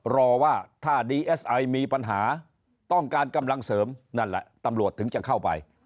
รอว่าถ้าดีเอสไอมีปัญหาต้องการกำลังเสริมนั่นแหละตำรวจถึงจะเข้าไป